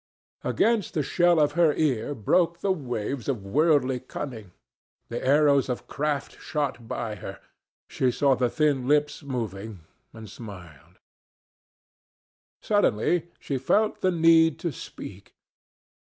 Against the shell of her ear broke the waves of worldly cunning. The arrows of craft shot by her. She saw the thin lips moving, and smiled. Suddenly she felt the need to speak.